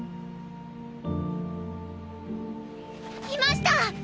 いました！